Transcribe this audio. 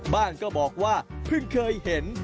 บ้างก็บอกว่าเพิ่งเคยเห็น